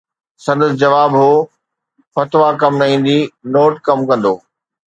سندس جواب هو: فتويٰ ڪم نه ايندي، نوٽ ڪم ڪندو.